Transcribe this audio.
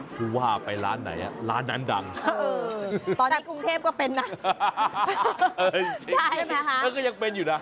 ผู้ว่าไปร้านไหนร้านนั้นดังตอนนี้กรุงเทพก็เป็นนะใช่ไหมคะก็ยังเป็นอยู่นะ